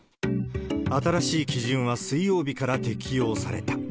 新しい基準は水曜日から適用された。